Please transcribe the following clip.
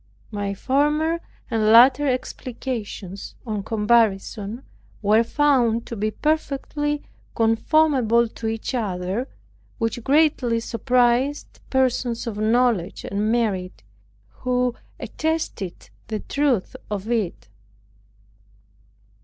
My former and latter explications, on comparison, were found to be perfectly conformable to each other, which greatly surprised persons of knowledge and merit, who attested the truth of it.